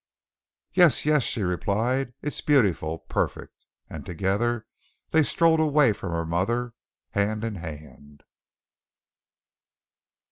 "Yes, yes," she replied, "it is beautiful, perfect!" And together they strolled away from her mother, hand in hand.